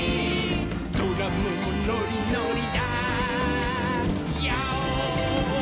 「ドラムもノリノリだヨー！」